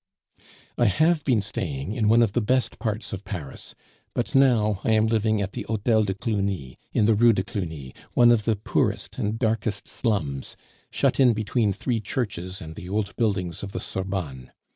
"I have been staying in one of the best parts of Paris, but now I am living at the Hotel de Cluny, in the Rue de Cluny, one of the poorest and darkest slums, shut in between three churches and the old buildings of the Sorbonne.